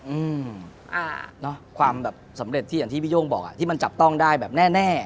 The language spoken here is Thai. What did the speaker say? อือความสำเร็จที่อย่างที่พี่โย่งบอกที่มันจับต้องได้แน่